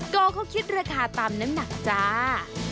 ก็เขาคิดราคาตามน้ำหนักจ้า